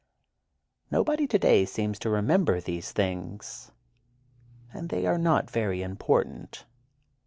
Nobody today seems to remember these things, and they are not very important.